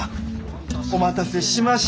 お待たせしました。